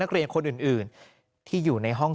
นักเรียนคนอื่นที่อยู่ในห้อง